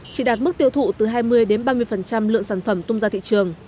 chỉ đạt mức tiêu thụ từ hai mươi ba mươi lượng sản phẩm tung ra thị trường